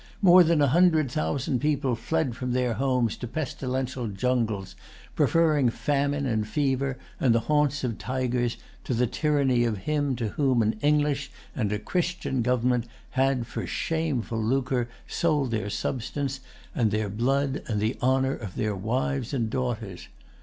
More than a hundred thousand people fled from their homes to pestilential jungles, preferring famine, and fever, and the haunts of tigers, to the tyranny of him to whom an English and a Christian government had, for shameful lucre, sold their substance, and their blood, and the honor of their wives and daughters.